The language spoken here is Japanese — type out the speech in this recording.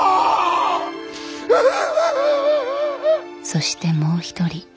そしてもう一人。